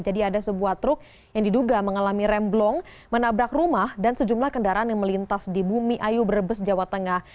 jadi ada sebuah truk yang diduga mengalami remblong menabrak rumah dan sejumlah kendaraan yang melintas di bumi ayu brebes jawa tengah